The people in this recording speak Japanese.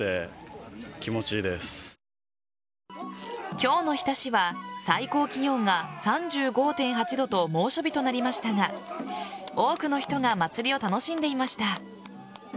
今日の日田市は最高気温が３５．８度と猛暑日となりましたが多くの人が祭りを楽しんでいました。